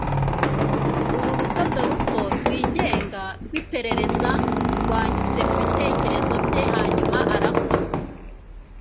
Uru rudodo ruto rwigenga rwiperereza rwanyuze mubitekerezo bye hanyuma arapfa